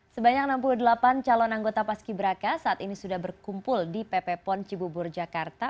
sebanyak enam puluh delapan calon anggota paski braka saat ini sudah berkumpul di pp pon cibubur jakarta